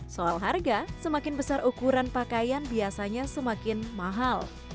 soal harga semakin besar ukuran pakaian biasanya semakin mahal